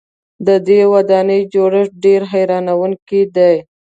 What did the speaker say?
د دې ودانۍ جوړښت ډېر حیرانوونکی دی.